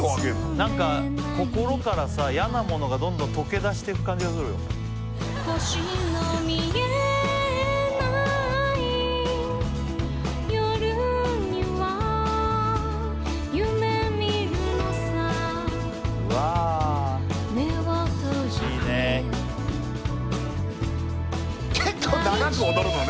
なんか心からさ嫌なものがどんどん溶け出していく感じがするよわいいね結構長く踊るのね